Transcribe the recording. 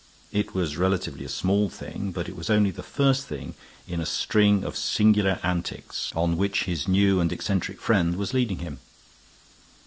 It was relatively a small thing, but it was only the first in a string of singular antics on which his new and eccentric friend was leading him.